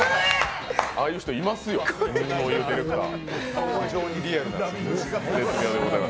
ああいう人、いますよそういうディレクター。